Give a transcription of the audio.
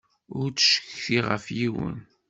Ur ttcetkiɣ ɣef yiwen.